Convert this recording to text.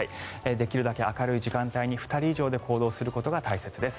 できるだけ明るい時間帯に２人以上で行動することが大切です。